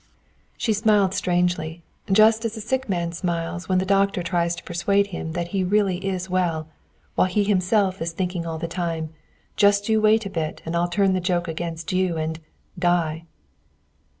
She smiled strangely; just as a sick man smiles when the doctor tries to persuade him that he really is well, while he himself is thinking all the time: "Just you wait a bit, and I'll turn the joke against you and die!"